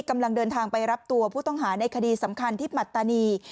กำลังเดินทางไปรับตัวผู้ต้องหาในคดีสำคัญที่ปัตตานี